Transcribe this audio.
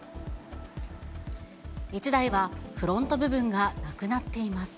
１台はフロント部分がなくなっています。